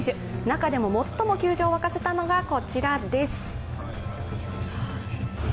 中でも最も球場を沸かせたのがこちらです。